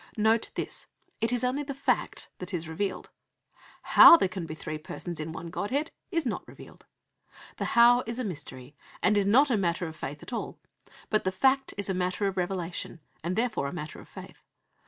Note this: it is only the fact that is revealed; how there can be three Persons in one Godhead is not revealed. The how is a mystery, and is not a matter of faith at all; but the fact is a matter of revelation, and therefore a matter of faith.